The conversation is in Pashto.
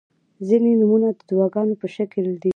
• ځینې نومونه د دعاګانو په شکل دي.